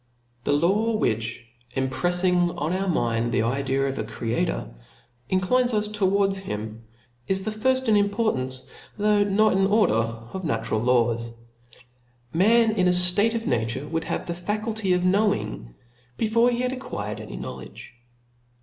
The law which imprefling on our minds the idea of a Creator inclines us towards him, is the £rft in importance, though not in order, of natu ral laws. Man in a ftate of nature would have the faculty of knowing, before he had acquired any knowledge.